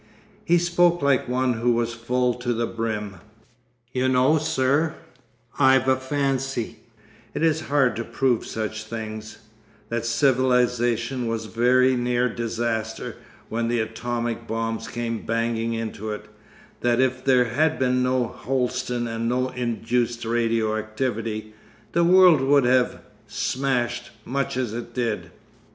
He spoke like one who was full to the brim. 'You know, sir, I've a fancy—it is hard to prove such things—that civilisation was very near disaster when the atomic bombs came banging into it, that if there had been no Holsten and no induced radio activity, the world would have—smashed—much as it did.